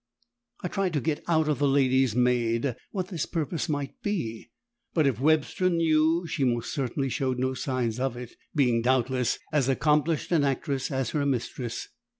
I tried to get out of the lady's maid what this purpose might be, but if Webster knew she most certainly showed no signs of it, being doubtless as accomplished an actress as her mistress.